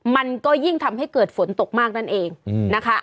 มันก็ยิ่งทำให้เกิดฝนตกมากนั่นเองนะคะ